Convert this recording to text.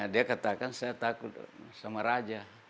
dia katakan saya takut sama raja